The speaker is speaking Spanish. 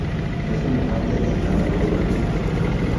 Es un puente en arco de hormigón.